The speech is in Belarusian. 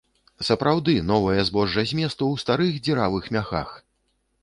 Сапраўды, новае збожжа зместу ў старых, дзіравых мяхах!